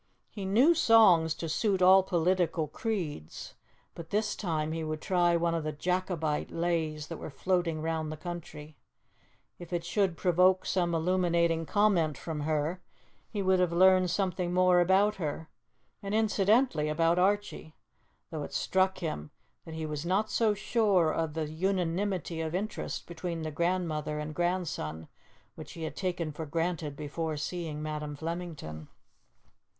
He knew songs to suit all political creeds, but this time he would try one of the Jacobite lays that were floating round the country; if it should provoke some illuminating comment from her, he would have learned something more about her, and incidentally about Archie, though it struck him that he was not so sure of the unanimity of interest between the grandmother and grandson which he had taken for granted before seeing Madam Flemington.